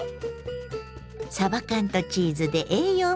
さば缶とチーズで栄養も満点！